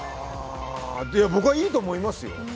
僕はいいと思いますよ。